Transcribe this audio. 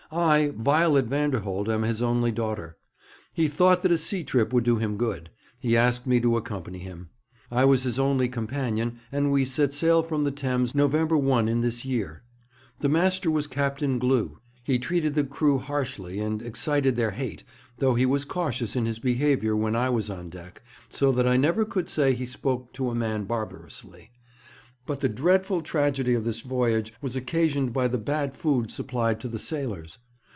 I, Violet Vanderholt, am his only daughter. He thought that a sea trip would do him good. He asked me to accompany him. I was his only companion, and we set sail from the Thames, November 1, in this year. The master was Captain Glew. He treated the crew harshly, and excited their hate, though he was cautious in his behaviour when I was on deck, so that I never could say he spoke to a man barbarously. But the dreadful tragedy of this voyage was occasioned by the bad food supplied to the sailors.